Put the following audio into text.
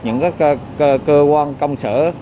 những cơ quan công sở